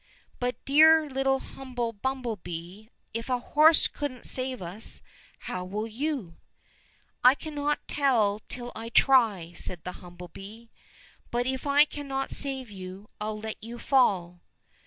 —" But, dear little humble bumble bee, if a horse couldn't save us, how will you ?"—" I cannot tell till I try," said the humble bee. " But if I cannot save you, I'll let you fall."